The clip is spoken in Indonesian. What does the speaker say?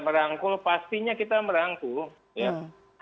merangkul pastinya kita merangkul